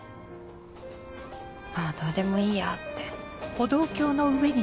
もうどうでもいいやって。